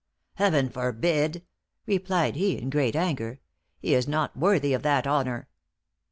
"Heaven forbid!" replied he, in great anger; "he is not worthy of that honor."